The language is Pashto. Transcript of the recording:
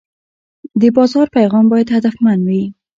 د بازار پیغام باید هدفمند وي.